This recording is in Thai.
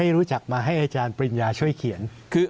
รู้จักมาให้อาจารย์ปริญญาช่วยเขียน